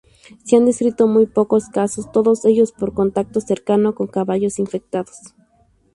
Se han descrito muy pocos casos, todos ellos por contacto cercano con caballos infectados.